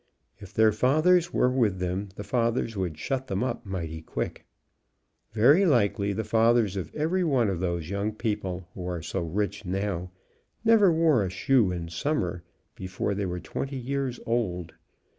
If their fathers were with them the fathers would shut them up mighty quick. Very likely the fathers of every one of those young people, who are so rich now, never wore a shoe in summer before they were 20 years old.